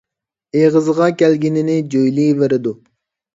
ئېغىزىغا كەلگەننى جۆيلۈۋېرىدۇ.